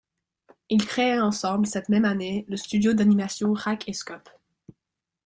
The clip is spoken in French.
Ils créent ensemble cette même année le studio d'animation Rak&Scop.